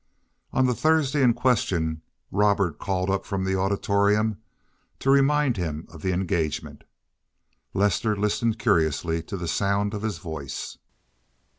On the Thursday in question Robert called up from the Auditorium to remind him of the engagement. Lester listened curiously to the sound of his voice.